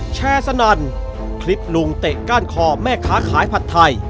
แชร์สนั่นคลิปลุงเตะก้านคอแม่ค้าขายผัดไทย